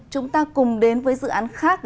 chúng ta cùng đến với dự án khác